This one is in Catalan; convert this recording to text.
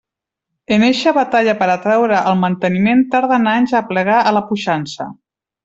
En eixa batalla per a traure el manteniment tarden anys a aplegar a la puixança.